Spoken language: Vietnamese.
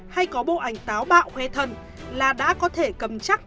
hay có bộ ảnh táo bạo khoe thân là đã có thể cầm chắc